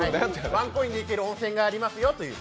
ワンコインで行ける温泉がありますよという。